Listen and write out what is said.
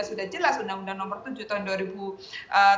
sudah jelas undang undang nomor tujuh tahun dua ribu tujuh belas